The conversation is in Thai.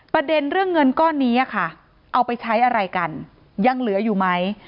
ประเด็นเรื่องเงินก้อนนี้ค่ะเอาไปใช้อะไรกันยังเหลืออยู่ไหม